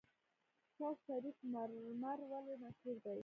چشت شریف مرمر ولې مشهور دي؟